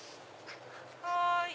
はい。